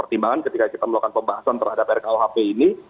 pertimbangan ketika kita melakukan pembahasan terhadap rkuhp ini